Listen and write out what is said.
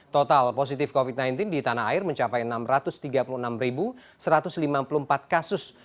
total positif covid sembilan belas di tanah air mencapai enam ratus tiga puluh enam satu ratus lima puluh empat kasus